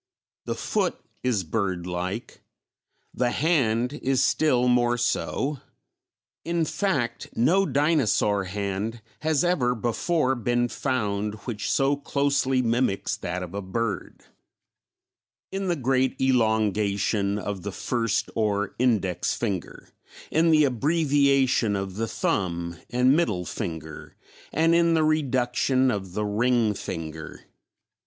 The foot is bird like; the hand is still more so; in fact, no dinosaur hand has ever before been found which so closely mimics that of a bird in the great elongation of the first or index finger, in the abbreviation of the thumb and middle finger, and in the reduction of the ring finger.